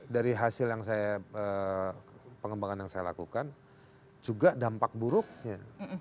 dari hasil yang saya pengembangan yang saya lakukan juga dampak buruknya